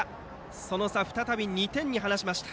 その差を再び２点に離しました。